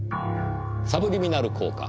サブリミナル効果。